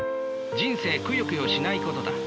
人生くよくよしないことだ。